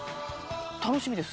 楽しみです